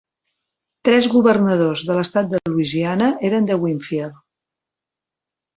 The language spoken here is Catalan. Tres governadors de l'estat de Louisiana eren de Winnfield.